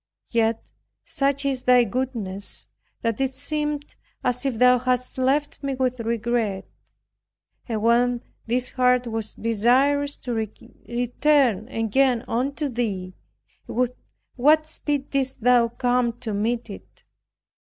Yet such is thy goodness, that it seemed as if Thou hadst left me with regret; and when this heart was desirous to return again unto Thee, with what speed didst Thou come to meet it.